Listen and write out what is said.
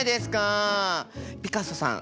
ピカソさん